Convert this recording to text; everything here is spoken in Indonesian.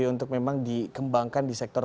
untuk memang dikembangkan di sektor